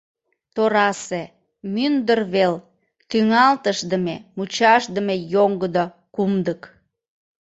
Торасе... мӱндыр вел... тӱҥалтышдыме-мучашдыме йоҥгыдо... кумдык.